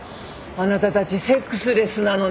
あなたたちセックスレスなのね。